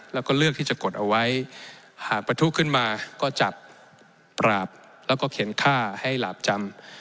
แล้วก็เลือกที่จะกดเอาไว้หากประทุขึ้นมาก็จัดปราบแล้วก็เข็นค่าให้หลาบจำ